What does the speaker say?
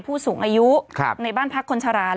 ผู้สูงอายุในบ้านพักคนชรา